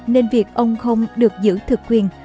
nên việc ông không được giữ thực quyền